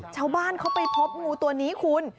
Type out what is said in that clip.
ชาวบ้านเขาไปพบงูตัวนี้คุณ